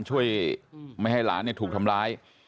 ช่วยไม่ให้หลานถูกทำร้าย